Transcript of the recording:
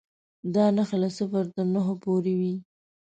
دا نښې له صفر تر نهو پورې وې.